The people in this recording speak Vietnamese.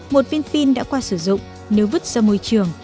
một pin pin đã qua sử dụng nếu vứt ra môi trường